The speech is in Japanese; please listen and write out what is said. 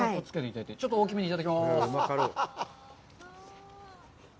ちょっと大きめにいただきます。